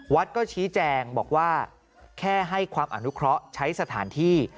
วัดก็ชี้แจงบอกว่าแค่ให้ความอนุเคราะห์ใช้สถานที่